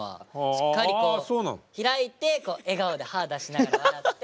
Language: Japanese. しっかりこう開いて笑顔で歯出しながら笑って。